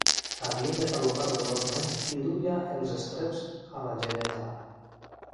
Havien de galopar veloçment i duia els estreps a la geneta.